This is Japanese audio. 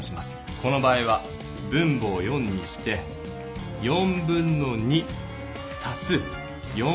この場合は分母を４にしてたす1/4。